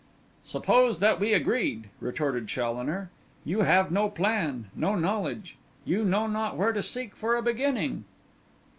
'Suppose that we agreed,' retorted Challoner, 'you have no plan, no knowledge; you know not where to seek for a beginning.